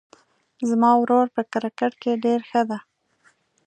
زما ورور په کرکټ کې ډېر ښه ده